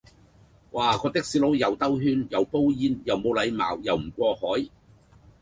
哇，個的士佬又兜路，又煲煙，又冇禮貌，又唔過海